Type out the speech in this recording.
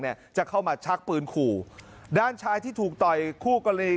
เนี่ยจะเข้ามาชักปืนขู่ด้านชายที่ถูกต่อยคู่กรณี